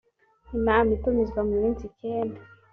inama itumizwa mu minsi icyenda